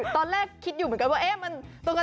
ตอนแรกคิดอยู่เสมือนกันว่า